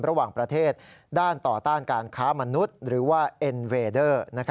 ระหว่างประเทศด้านต่อต้านการค้ามนุษย์หรือว่าเอ็นเรดเดอร์